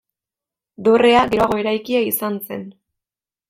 Dorrea geroago eraikia izan zen.